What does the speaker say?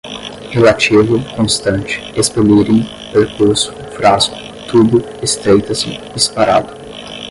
relativo, constante, expelirem, percurso, frasco, tubo, estreita-se, disparado